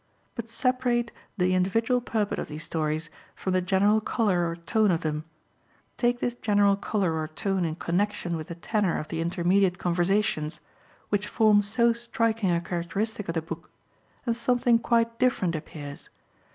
But separate the individual purport of these stories from the general colour or tone of them; take this general colour or tone in connection with the tenor of the intermediate conversations, which form so striking a characteristic of the book, and something quite different appears.